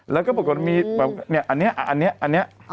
และก็ปรากฏมี่แบบแบบนี่อันนี้อันนี้อันนี้